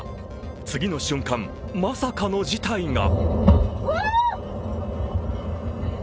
次の瞬間、まさかの事態が。